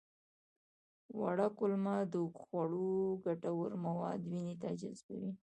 وړه کولمه د خوړو ګټور مواد وینې ته جذبوي